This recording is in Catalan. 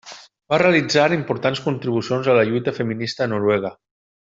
Va realitzar importants contribucions a la lluita feminista a Noruega.